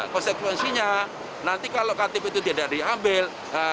konsekuensinya nanti kalau ktp itu tidak diambil